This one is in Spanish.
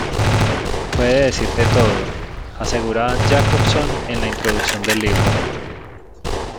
Puede decirte todo", asegura Jacobson en la introducción del libro.